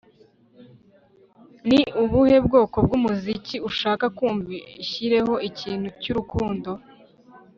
Ni ubuhe bwoko bwumuziki ushaka kumva Ishyireho ikintu cyurukundo